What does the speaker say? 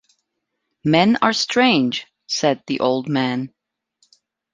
“Men are strange,” said the old man.